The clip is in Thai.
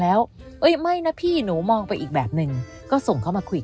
แล้วเอ้ยไม่นะพี่หนูมองไปอีกแบบนึงก็ส่งเข้ามาคุย